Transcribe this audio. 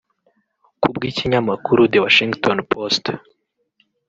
Kubw’ikinyamakuru The Washington Post